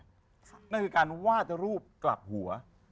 นั่นคือการวาดรูปกลับหัว